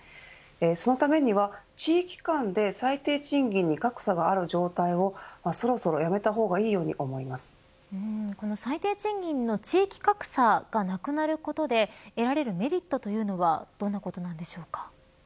そのためには地域間で最低賃金に格差がある状態をそろそろやめた方がこの最低賃金の地域格差がなくなることで得られるメリットというのはどんなことなんでしょうか。